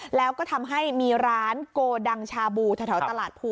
แล้วก็ทำให้มีร้านโกดังชาบู่